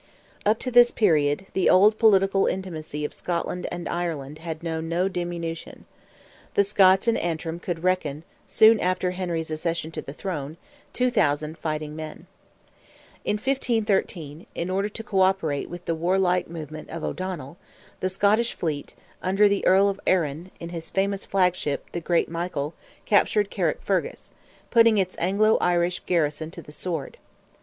Up to this period, the old political intimacy of Scotland and Ireland had known no diminution. The Scots in Antrim could reckon, soon after Henry's accession to the throne, 2,000 fighting men. In 1513, in order to co operate with the warlike movement of O'Donnell, the Scottish fleet, under the Earl of Arran, in his famous flagship, "the great Michael," captured Carrickfergus, putting its Anglo Irish garrison to the sword.